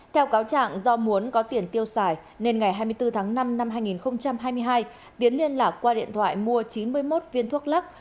theo cáo trạng do muốn có tiền tiêu xài nên ngày hai mươi bốn tháng năm năm hai nghìn hai mươi hai tiến liên lạc qua điện thoại mua chín mươi một viên thuốc lắc